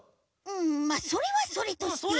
うんまあそれはそれとして。